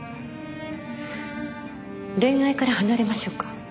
恋愛から離れましょうか。